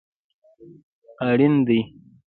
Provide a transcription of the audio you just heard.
اړین دي